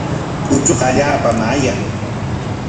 Uchuqa allaapam ayan.